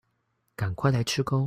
趕快來吃鉤